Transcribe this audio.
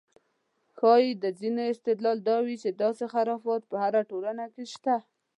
ښایي د ځینو استدلال دا وي چې داسې خرافات په هره ټولنه کې شته.